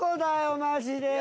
マジでよ！